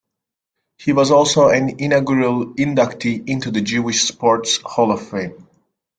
He was also an inaugural inductee into the Jewish Sports Hall of Fame.